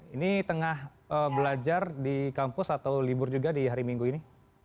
ini tengah belajar di kampus atau libur juga di hari minggu ini